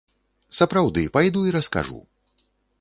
Сапраўды, пайду і раскажу.